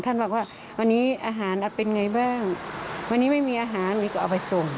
บอกว่าวันนี้อาหารอัดเป็นไงบ้างวันนี้ไม่มีอาหารมีก็เอาไปส่ง